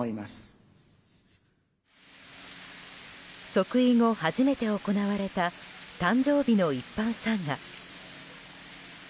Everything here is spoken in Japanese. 即位後初めて行われた誕生日の一般参賀。